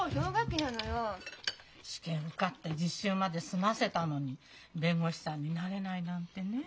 試験受かって実習まで済ませたのに弁護士さんになれないなんてねえ。